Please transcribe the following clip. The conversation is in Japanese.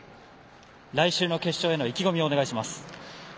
来週の決勝への意気込みをお願いします。